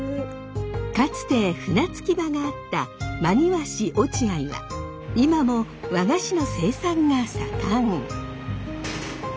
かつて船着き場があった真庭市落合は今も和菓子の生産が盛ん。